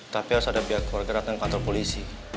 tapi harus ada pihak keluarga datang ke kantor polisi